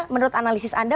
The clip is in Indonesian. menurut analisis anda